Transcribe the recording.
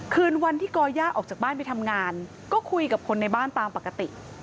คืนวันที่ก่อย่าออกจากบ้านไปทำงานก็คุยกับคนในบ้านตามปกติ